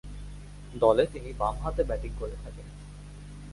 দলে তিনি বামহাতে ব্যাটিং করে থাকেন।